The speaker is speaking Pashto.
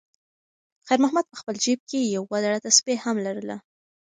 خیر محمد په خپل جېب کې یوه زړه تسبېح هم لرله.